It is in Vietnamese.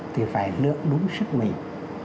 thì phải lượng đúng sức mình